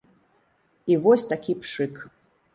І вось такі пшык.